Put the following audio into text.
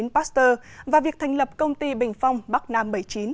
một trăm hai mươi chín pasteur và việc thành lập công ty bình phong bắc nam bảy mươi chín